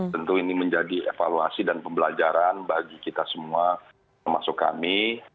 tentu ini menjadi evaluasi dan pembelajaran bagi kita semua termasuk kami